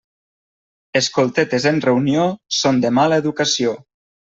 Escoltetes en reunió són de mala educació.